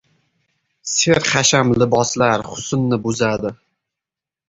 Serxasham liboslar husnni buzadi.